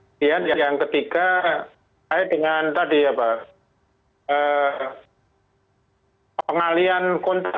kemudian yang ketiga saya dengan tadi ya pak pengalian kontrak